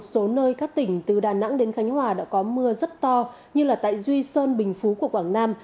trong ba giờ qua một số nơi các tỉnh từ đà nẵng đến khánh hòa đã có mưa rất to như là tại duy sơn bình phú của quảng nam